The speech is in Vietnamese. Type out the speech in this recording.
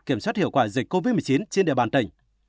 kiểm soát hiệu quả dịch covid một mươi chín trên địa bàn tỉnh